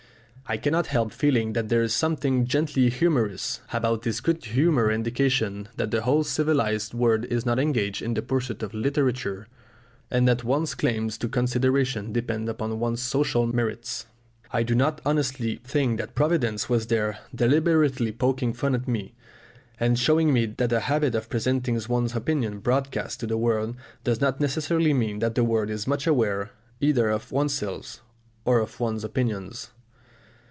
I cannot help feeling that there is something gently humorous about this good humoured indication that the whole civilised world is not engaged in the pursuit of literature, and that one's claims to consideration depend upon one's social merits. I do honestly think that Providence was here deliberately poking fun at me, and showing me that a habit of presenting one's opinions broadcast to the world does not necessarily mean that the world is much aware either of oneself or of one's opinions.